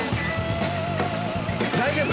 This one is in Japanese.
大丈夫？